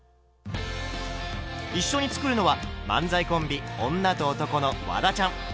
一緒に作るのは漫才コンビ「女と男」のワダちゃん。